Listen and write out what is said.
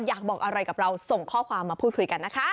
อยากบอกอะไรกับเราส่งข้อความมาพูดคุยกันนะคะ